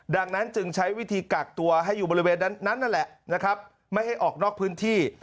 ดังนั้นจึงใช้วิธีกักตัวให้อยู่บริเวณนั้นนั่นแหละนะครับไม่ให้ออกนอกพื้นที่